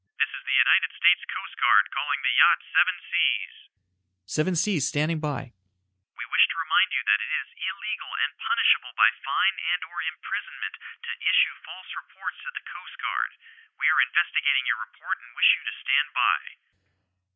"This is the United States Coast Guard calling the yacht Seven Seas." "Seven Seas standing by." "We wish to remind you that it is illegal and punishable by fine and or imprisonment to issue false reports to the Coast Guard. We are investigating your report and wish you to stand by."